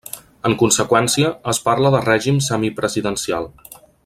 En conseqüència, es parla de règim semipresidencial.